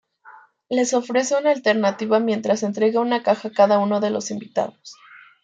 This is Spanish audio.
Les ofrece una alternativa mientras entrega una caja a cada uno de los invitados.